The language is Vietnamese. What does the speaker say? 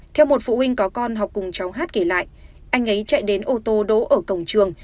theo một phụ huynh có con học cùng cháu hát kể lại anh ấy chạy đến ô tô đỗ ở cổng trường